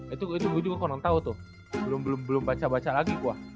itu gue juga kurang tau tuh belum baca baca lagi gue